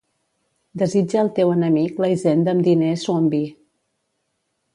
Desitja el teu enemic la hisenda amb diners o amb vi.